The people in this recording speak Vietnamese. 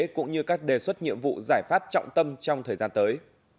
cũng như các đề xuất nhiệm vụ giải pháp trọng tâm trong thời gian tới